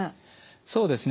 そうですね。